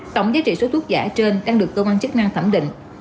tổng giá trị số thuốc giả trên đang được công an chức năng thẩm định